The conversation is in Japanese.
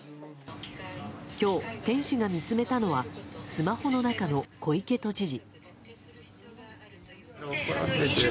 今日、店主が見つめたのはスマホの中の小池都知事。